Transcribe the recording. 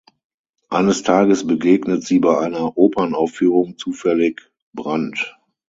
Eines Tages begegnet sie bei einer Opernaufführung zufällig Brand.